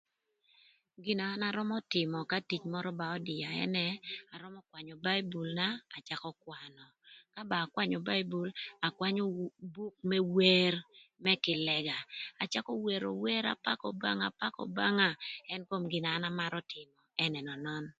Gina an arömö tïmö ka tic mörö ba ödïa ënë arömö kwanyö baibulna acakö kwanö ka ba akwanyö bailbul akwanyö buk më wer më kïlëga acakö wero wer apakö Obanga apakö Obanga ën kom gina an amarö tïmö ën ënönön.